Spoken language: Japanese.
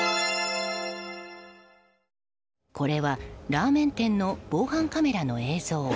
これはラーメン店の防犯カメラの映像。